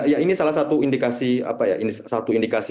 ya ini salah satu indikasi